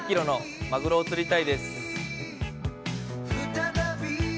１００ｋｇのマグロを釣りたいです。